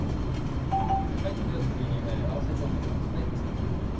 次に合わせ調味料を作っていきます。